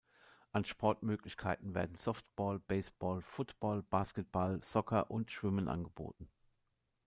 An Sportmöglichkeiten werden Softball, Baseball, Football, Basketball, Soccer und Schwimmen angeboten.